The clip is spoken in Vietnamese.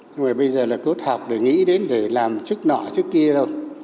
nhưng mà bây giờ là cứ học để nghĩ đến để làm chức nọ chức kia đâu